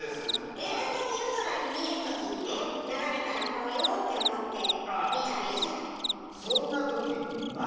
ベランダで夜空見る時にね流れたらこう言おうって思って見たらいいじゃない。